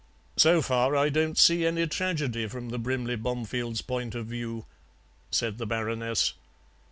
"So far I don't see any tragedy from the Brimley Bomefields' point of view," said the Baroness.